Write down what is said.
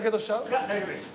いや大丈夫です。